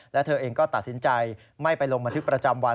และเธอเองก็ตัดสินใจไม่ไปลงบันทึกประจำวัน